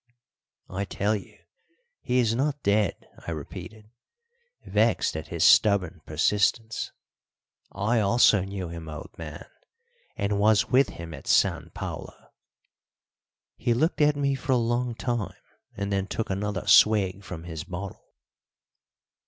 "I tell you he is not dead," I repeated, vexed at his stubborn persistence. "I also knew him, old man, and was with him at San Paulo." He looked at me for a long time, and then took another swig from his bottle.